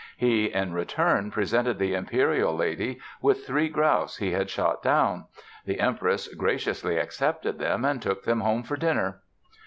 He, in return, presented the imperial lady with three grouse he had shot down; the Empress "graciously accepted them" and took them home for dinner!